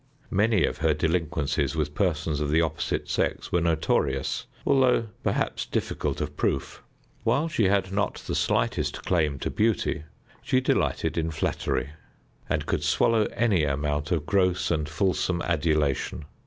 Many of her delinquencies with persons of the opposite sex were notorious, although perhaps difficult of proof. While she had not the slightest claim to beauty, she delighted in flattery, and could swallow any amount of gross and fulsome adulation.